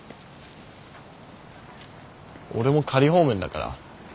俺も仮放免だから。